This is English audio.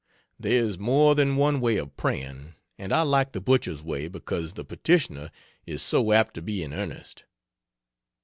There is more than one way of praying, and I like the butcher's way because the petitioner is so apt to be in earnest.